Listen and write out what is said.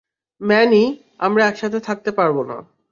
Many, আমরা একসাথে থাকতে পারবো না।